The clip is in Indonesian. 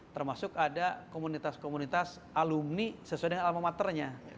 termasuk ada komunitas komunitas alumni sesuai dengan alma maternya